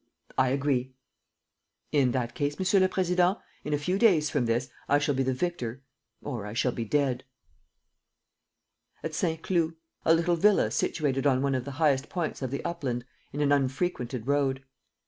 "I agree." "In that case, Monsieur le Président, in a few days from this I shall be the victor ... or I shall be dead." At Saint Cloud. A little villa situated on one of the highest points of the upland, in an unfrequented road.